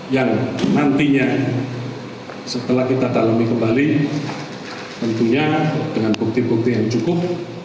yang nantinya setelah kita dalami kembali tentunya dengan bukti bukti yang cukup